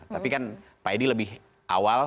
tapi kan pak edi lebih awal